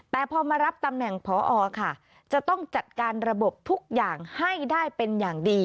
แต่พอมารับตำแหน่งพอค่ะจะต้องจัดการระบบทุกอย่างให้ได้เป็นอย่างดี